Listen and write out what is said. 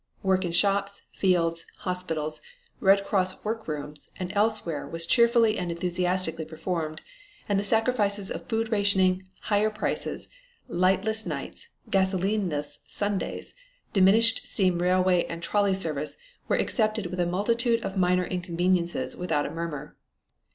Work in shops, fields, hospitals, Red Cross work rooms and elsewhere was cheerfully and enthusiastically performed and the sacrifices of food rationing, higher prices, lightless nights, gasolineless Sundays, diminished steam railway and trolley service were accepted with a multitude of minor inconvenience without a murmur.